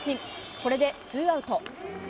これでツーアウト。